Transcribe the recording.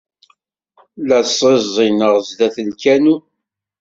La ẓẓiẓineɣ sdat lkanun.